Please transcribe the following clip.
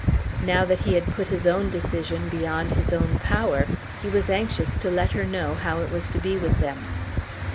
Now that he had put his own decision beyond his own power he was anxious to let her know how it was to be with them.